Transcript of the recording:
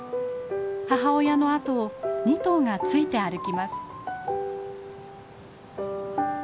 母親の後を２頭がついて歩きます。